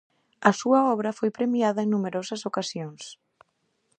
A súa obra foi premiada en numerosas ocasións.